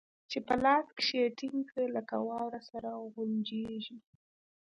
چې په لاس کښې يې ټينګ کړې لکه واوره سره غونجېږي.